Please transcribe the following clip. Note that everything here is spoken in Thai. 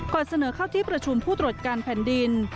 เสนอเข้าที่ประชุมผู้ตรวจการแผ่นดิน